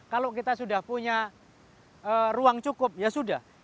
kalau kita sudah punya ruang cukup ya sudah